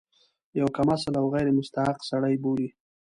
یو کم اصل او غیر مستحق سړی بولي.